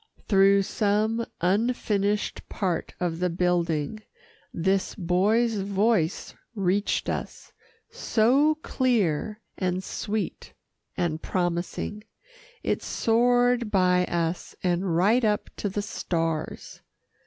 Through some unfinished part of the building, this boy's voice reached us so clear, and sweet and promising. It soared by us, and right up to the stars.